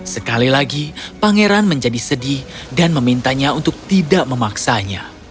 sekali lagi pangeran menjadi sedih dan memintanya untuk tidak memaksanya